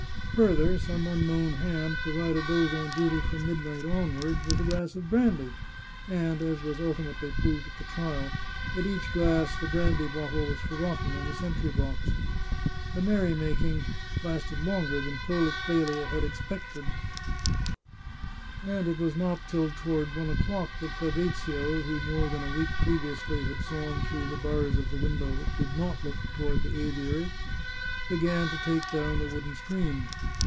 Further, some unknown hand provided those on duty from midnight onward with a glass of brandy, and (as was ultimately proved at the trial) at each glass the brandy bottle was forgotten in the sentry box. The merry making lasted longer than Clelia had ex 403 The Chartreuse of Parma pected, and it was not till toward one o'clock that Fabrizio, who, more than a week previously, had sawn through the bars of the window which did not look toward the aviary, began to take down the wooden screen.